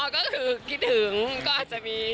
อ๋อก็คือกดิ่งก็อาจจะมี